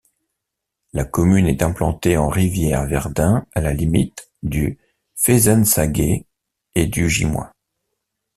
La commune est implantée en Rivière-Verdun à la limite du Fezensaguet et du Gimois.